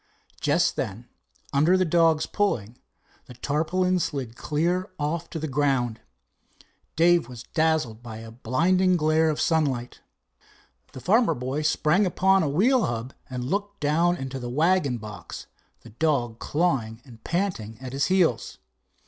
Just then, under the dog's pulling, the tarpaulin slid clear off to the ground. Dave was dazzled by a blinding glare of sunlight. The farmer boy sprang upon a wheel hub and looked down into the wagon box, the dog clawing and panting at his heels.